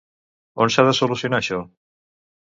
On s'ha de solucionar això?